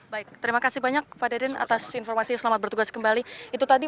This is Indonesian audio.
baik terima kasih banyak pak deden atas informasi selamat bertugas kembali itu tadi